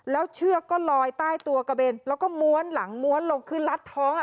แล้วเชือกก็ลอยใต้ตัวกระเบนแล้วก็ม้วนหลังม้วนลงคือรัดท้อง